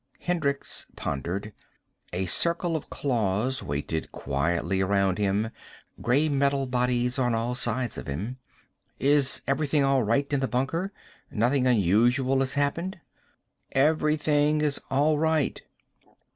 Hendricks pondered. A circle of claws waited quietly around him, gray metal bodies on all sides of him. "Is everything all right in the bunker? Nothing unusual has happened?" "Everything is all right."